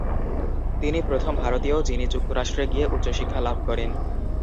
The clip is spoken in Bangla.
তিনি প্রথম ভারতীয় যিনি যুক্তরাষ্ট্রে গিয়ে উচ্চশিক্ষা লাভ করেন।